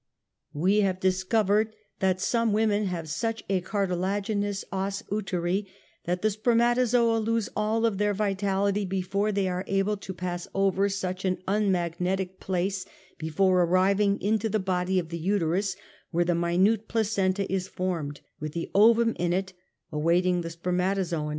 We have discovered that some women have such a cartilagineous osuteri, that the spermatozoa lose all of their vitality before they are able to pass over such an unmagnetic place before arriving into the body of the uterus where the minute placenta is formed, with the ovum in it, awaiting the sperm atozoon.